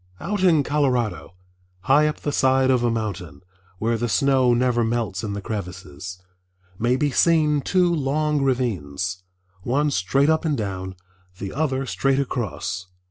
Out in Colorado, high up the side of a mountain, where the snow never melts in the crevices, may be seen two long ravines, one straight up and down, the other straight across.